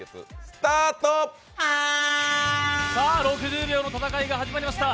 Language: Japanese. ６０秒の戦いが始まりました。